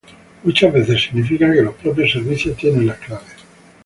muchas veces significa que los propios servicios tienen las claves